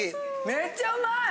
めっちゃうまい！